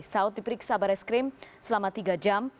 saud diperiksa baris krim selama tiga jam